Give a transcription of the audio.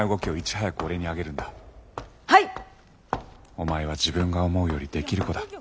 お前は自分が思うよりできる子だ。